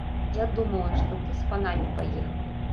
Я думала, што ты з панамі паехаў.